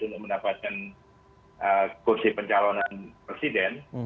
untuk mendapatkan kursi pencalonan presiden